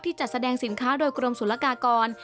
จัดแสดงสินค้าโดยกรมศุลกากร